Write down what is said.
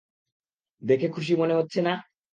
দেখে খুশি মনে হচ্ছে না?